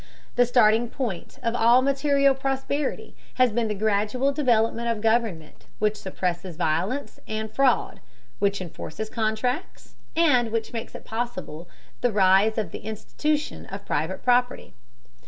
The starting point of all material prosperity has been the gradual development of government which suppresses violence and fraud, which enforces contracts, and which makes possible the rise of the institution of private property.